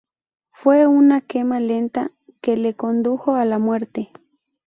Fue una quema lenta que le condujo a la muerte.